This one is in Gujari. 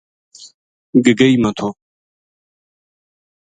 گگئی ما تھو